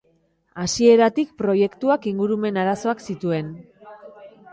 Hasieratik proiektuak ingurumen arazoak zituen.